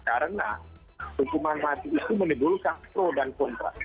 karena hukuman mati itu menimbulkan pro dan kontra